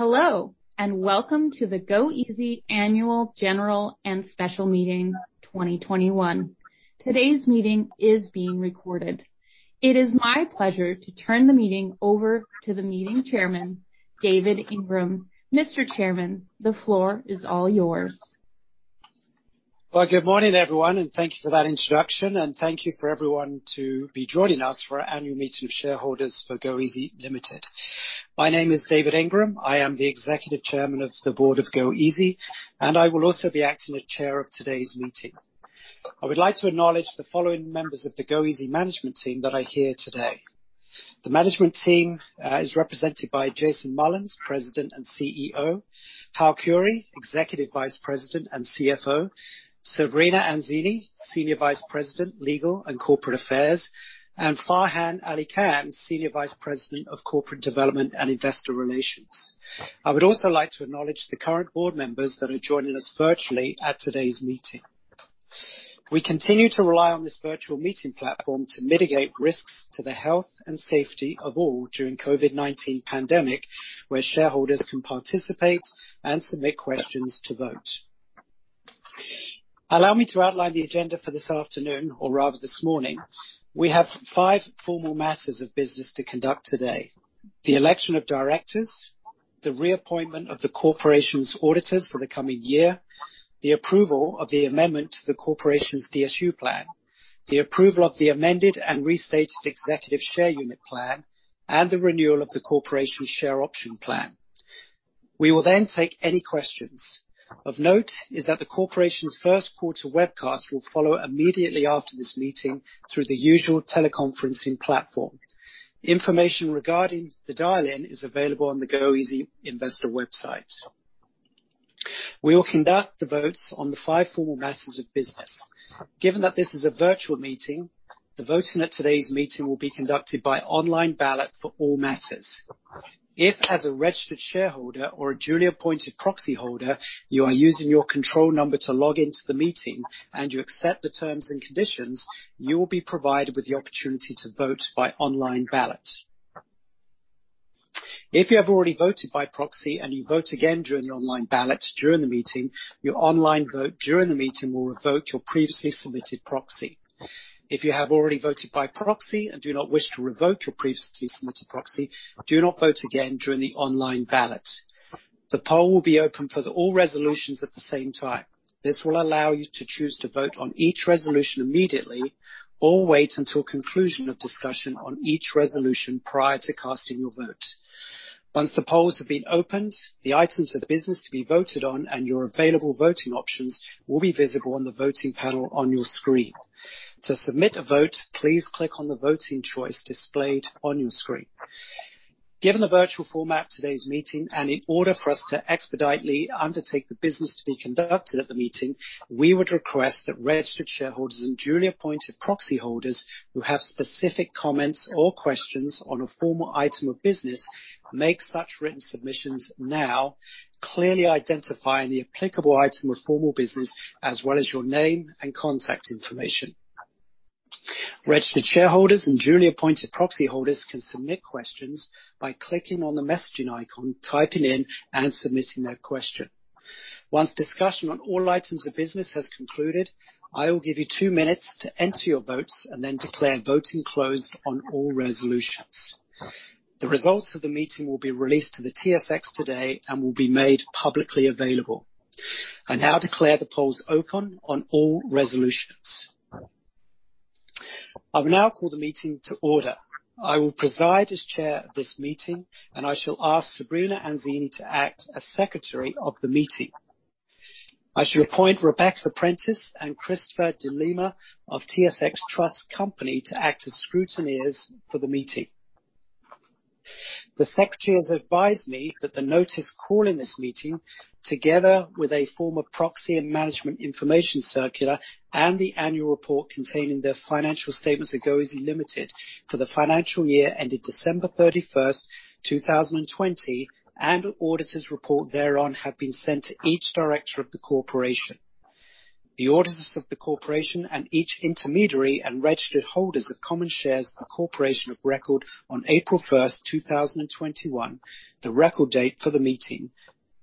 Welcome to the goeasy Annual, General and Special Meeting 2021. Today's meeting is being recorded. It is my pleasure to turn the meeting over to the meeting chairman, David Ingram. Mr. Chairman, the floor is all yours. Good morning everyone and thank you for that introduction, and thank you for everyone to be joining us for our annual meeting of shareholders for goeasy Ltd. My name is David Ingram. I am the Executive Chairman of the Board of goeasy, and I will also be acting as Chair of today's meeting. I would like to acknowledge the following members of the goeasy management team that are here today. The management team is represented by Jason Mullins, President and CEO, Hal Khouri, Executive Vice President and CFO, Sabrina Anzini, Senior Vice President, Legal and Corporate Affairs, and Farhan Ali Khan, Senior Vice President of Corporate Development and Investor Relations. I would also like to acknowledge the current board members that are joining us virtually at today's meeting. We continue to rely on this virtual meeting platform to mitigate risks to the health and safety of all during COVID-19 pandemic, where shareholders can participate and submit questions to vote. Allow me to outline the agenda for this afternoon or rather, this morning. We have five formal matters of business to conduct today. The election of directors, the reappointment of the corporation's auditors for the coming year, the approval of the amendment to the corporation's DSU plan, the approval of the amended and restated Executive Share Unit Plan, and the renewal of the corporation Share Option Plan. We will take any questions. Of note is that the corporation's first quarter webcast will follow immediately after this meeting through the usual teleconferencing platform. Information regarding the dial-in is available on the goeasy investor website. We will conduct the votes on the five formal matters of business. Given that this is a virtual meeting, the voting at today's meeting will be conducted by online ballot for all matters. If as a registered shareholder or a duly appointed proxyholder, you are using your control number to log into the meeting and you accept the terms and conditions, you will be provided with the opportunity to vote by online ballot. If you have already voted by proxy and you vote again during the online ballot during the meeting, your online vote during the meeting will revoke your previously submitted proxy. If you have already voted by proxy and do not wish to revoke your previously submitted proxy, do not vote again during the online ballot. The poll will be open for all resolutions at the same time. This will allow you to choose to vote on each resolution immediately or wait until conclusion of discussion on each resolution prior to casting your vote. Once the polls have been opened, the items of business to be voted on and your available voting options will be visible on the voting panel on your screen. To submit a vote, please click on the voting choice displayed on your screen. Given the virtual format of today's meeting, and in order for us to expeditiously undertake the business to be conducted at the meeting, we would request that registered shareholders and duly appointed proxyholders who have specific comments or questions on a formal item of business, make such written submissions now, clearly identifying the applicable item of formal business as well as your name and contact information. Registered shareholders and duly appointed proxyholders can submit questions by clicking on the messaging icon, typing in and submitting their question. Once discussion on all items of business has concluded, I will give you two minutes to enter your votes and then declare voting closed on all resolutions. The results of the meeting will be released to the TSX today and will be made publicly available. I now declare the polls open on all resolutions. I will now call the meeting to order. I will preside as Chair of this meeting, and I shall ask Sabrina Anzini to act as Secretary of the meeting. I shall appoint Rebecca Prentice and Christopher de Lima of TSX Trust Company to act as scrutineers for the meeting. The Secretary has advised me that the notice calling this meeting, together with a formal proxy and management information circular and the annual report containing the financial statements of goeasy Ltd. for the financial year ended December 31st, 2020, and auditor's report thereon, have been sent to each director of the corporation. The auditors of the corporation and each intermediary and registered holders of common shares of corporation of record on April 1st, 2021, the record date for the meeting.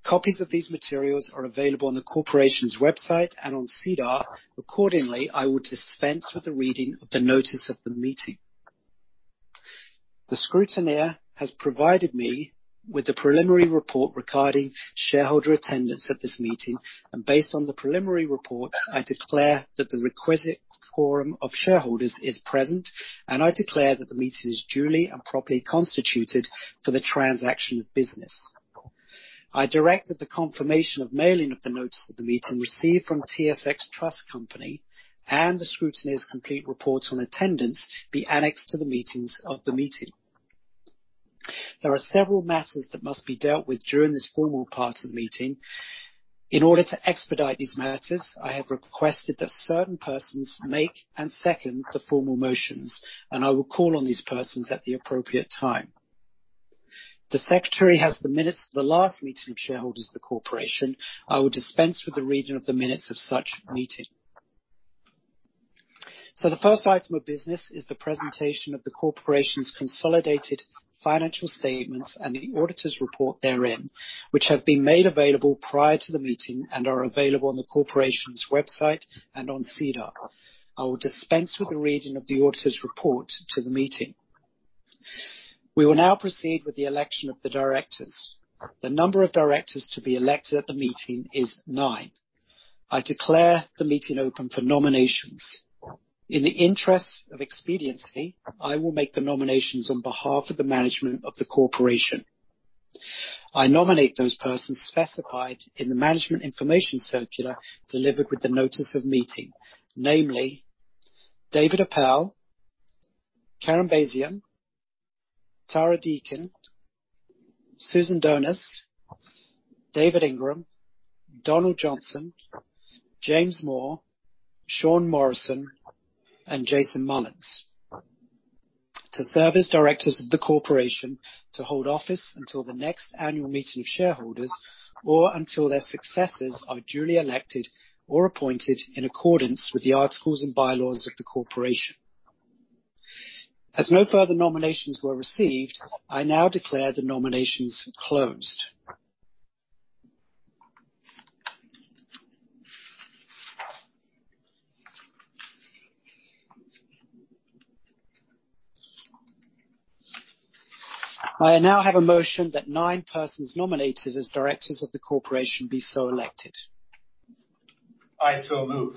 Copies of these materials are available on the corporation's website and on SEDAR. Accordingly, I will dispense with the reading of the notice of the meeting. The scrutineer has provided me with the preliminary report regarding shareholder attendance at this meeting, and based on the preliminary report, I declare that the requisite quorum of shareholders is present, and I declare that the meeting is duly and properly constituted for the transaction of business. I direct that the confirmation of mailing of the notice of the meeting received from TSX Trust Company and the scrutineer's complete report on attendance be annexed to the minutes of the meeting. There are several matters that must be dealt with during this formal part of the meeting. In order to expedite these matters, I have requested that certain persons make and second the formal motions, and I will call on these persons at the appropriate time. The Secretary has the minutes of the last meeting of shareholders of the corporation. I will dispense with the reading of the minutes of such meeting. The first item of business is the presentation of the corporation's consolidated financial statements and the auditor's report therein, which have been made available prior to the meeting and are available on the corporation's website and on SEDAR. I will dispense with the reading of the auditor's report to the meeting. We will now proceed with the election of the directors. The number of directors to be elected at the meeting is nine. I declare the meeting open for nominations. In the interest of expediency, I will make the nominations on behalf of the management of the corporation. I nominate those persons specified in the management information circular delivered with the notice of meeting, namely, David Appel, Karen Basian, Tara Deakin, Susan Doniz, David Ingram, Donald K. Johnson, James Moore, Sean Morrison, and Jason Mullins, to serve as directors of the corporation to hold office until the next annual meeting of shareholders or until their successors are duly elected or appointed in accordance with the articles and bylaws of the corporation. As no further nominations were received, I now declare the nominations closed. May I now have a motion that nine persons nominated as directors of the corporation be so elected? I so move.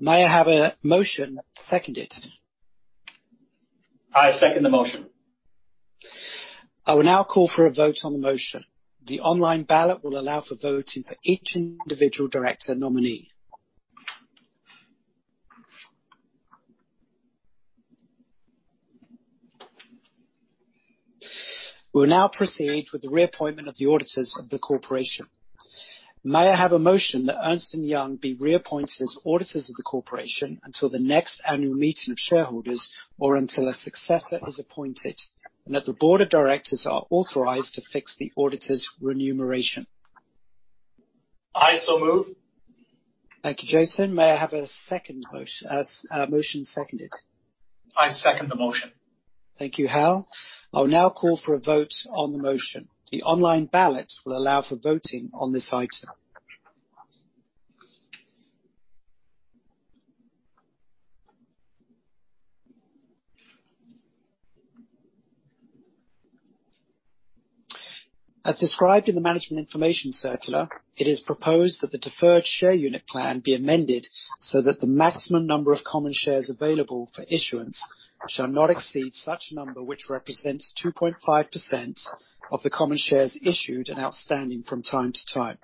May I have a motion seconded? I second the motion. I will now call for a vote on the motion. The online ballot will allow for voting for each individual director nominee. We will now proceed with the reappointment of the auditors of the corporation. May I have a motion that Ernst & Young be reappointed as auditors of the corporation until the next annual meeting of shareholders, or until a successor is appointed, and that the Board of Directors are authorized to fix the auditor's remuneration? I so move. Thank you Jason. May I have a second motion seconded? I second the motion. Thank you Hal. I will now call for a vote on the motion. The online ballot will allow for voting on this item. As described in the management information circular, it is proposed that the Deferred Share Unit Plan be amended so that the maximum number of common shares available for issuance shall not exceed such number, which represents 2.5% of the common shares issued and outstanding from time to time.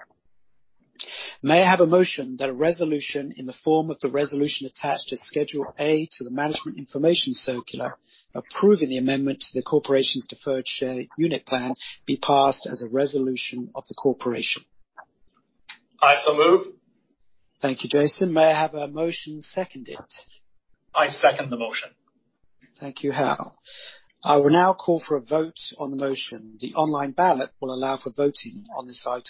May I have a motion that a resolution in the form of the resolution attached to Schedule A to the management information circular approving the amendment to the corporation's Deferred Share Unit Plan be passed as a resolution of the corporation? I so move. Thank you Jason. May I have a motion seconded? I second the motion. Thank you Hal. I will now call for a vote on the motion. The online ballot will allow for voting on this item.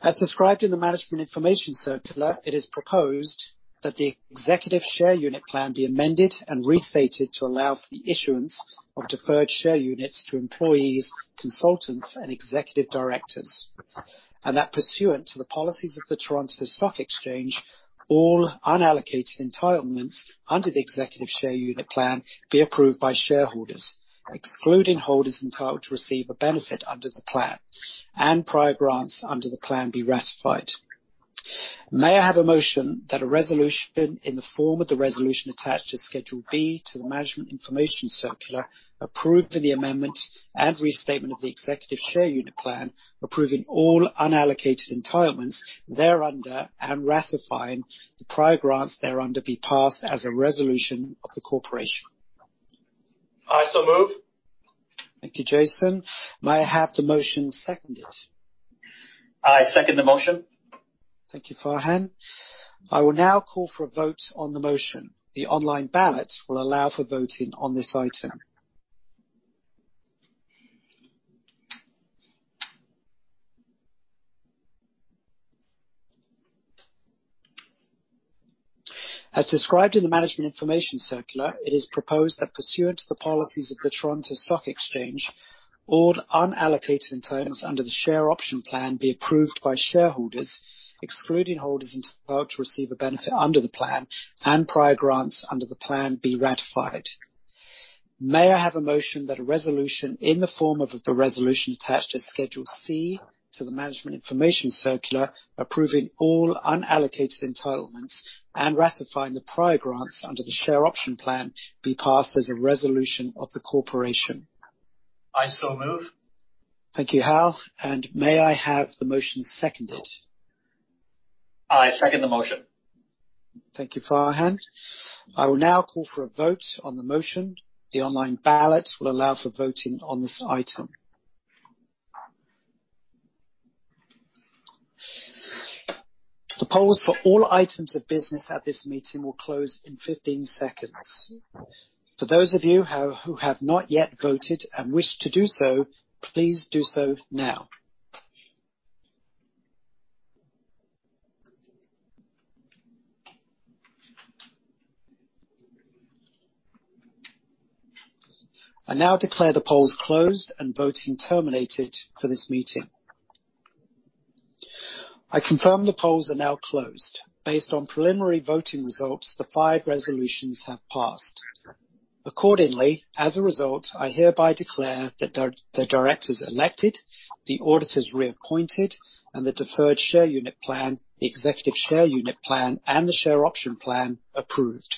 As described in the management information circular, it is proposed that the Executive Share Unit Plan be amended and restated to allow for the issuance of deferred share units to employees, consultants, and executive directors, and that pursuant to the policies of the Toronto Stock Exchange, all unallocated entitlements under the Executive Share Unit Plan be approved by shareholders, excluding holders entitled to receive a benefit under the plan, and prior grants under the plan be ratified. May I have a motion that a resolution in the form of the resolution attached to Schedule B to the management information circular approving the amendment and restatement of the Executive Share Unit Plan, approving all unallocated entitlements thereunder, and ratifying the prior grants thereunder, be passed as a resolution of the corporation? I so move. Thank you Jason. May I have the motion seconded? I second the motion. Thank you Farhan. I will now call for a vote on the motion. The online ballot will allow for voting on this item. As described in the management information circular, it is proposed that pursuant to the policies of the Toronto Stock Exchange, all unallocated entitlements under the Share Option Plan be approved by shareholders, excluding holders entitled to receive a benefit under the plan and prior grants under the plan be ratified. May I have a motion that a resolution in the form of the resolution attached to Schedule C to the management information circular, approving all unallocated entitlements and ratifying the prior grants under the Share Option Plan be passed as a resolution of the corporation? I so move. Thank you Hal. May I have the motion seconded? I second the motion. Thank you Farhan. I will now call for a vote on the motion. The online ballot will allow for voting on this item. The polls for all items of business at this meeting will close in 15 seconds. For those of you who have not yet voted and wish to do so, please do so now. I now declare the polls closed and voting terminated for this meeting. I confirm the polls are now closed. Based on preliminary voting results, the five resolutions have passed. As a result, I hereby declare the directors elected, the auditors reappointed, and the Deferred Share Unit Plan, the Executive Share Unit Plan, and the Share Option Plan approved.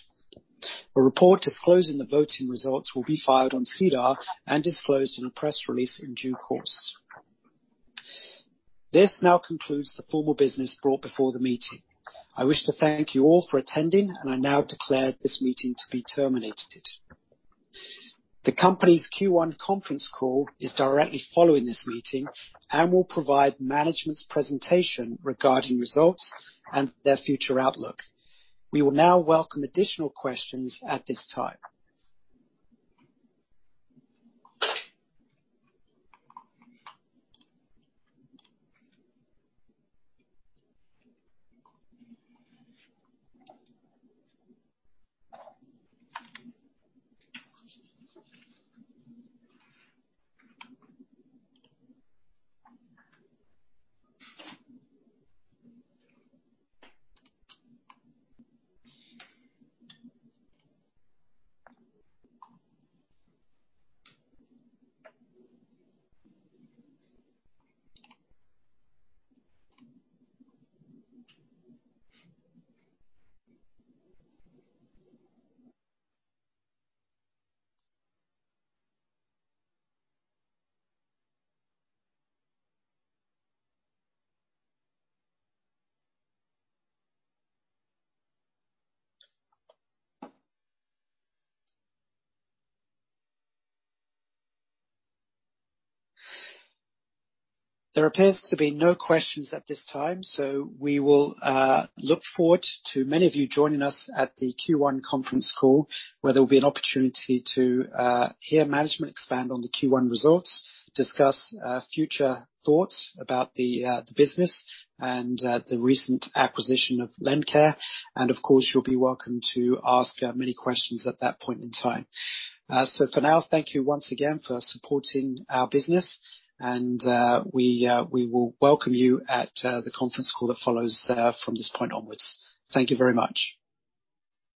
A report disclosing the voting results will be filed on SEDAR and disclosed in a press release in due course. This now concludes the formal business brought before the meeting. I wish to thank you all for attending, and I now declare this meeting to be terminated. The company's Q1 conference call is directly following this meeting and will provide management's presentation regarding results and their future outlook. We will now welcome additional questions at this time. There appears to be no questions at this time, we will look forward to many of you joining us at the Q1 conference call, where there will be an opportunity to hear management expand on the Q1 results, discuss future thoughts about the business and the recent acquisition of LendCare. Of course, you'll be welcome to ask many questions at that point in time. For now, thank you once again for supporting our business, and we will welcome you at the conference call that follows from this point onwards. Thank you very much.